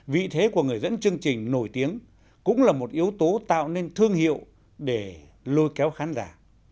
vị thế của người dẫn chương trình nổi tiếng cũng là một yếu tố tạo nên thương hiệu để lôi kéo khán giả